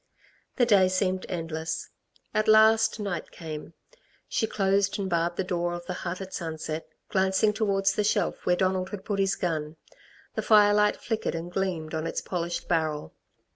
The day seemed endless. At last night came. She closed and barred the door of the hut at sunset, glancing towards the shelf where Donald had put his gun. The firelight flickered and gleamed on its polished barrel.